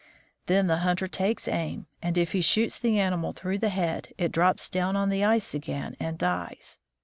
Then the hunter takes aim, and if he shoots the animal through the head, it drops down on the ice again and dies.